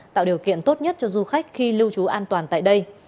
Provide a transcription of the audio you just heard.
tạo điều kiện tốt nhất cho du khách khi lưu trú an toàn tại đây